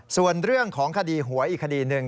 ส่วนเรื่องของคดีหวยอีกคดีหนึ่ง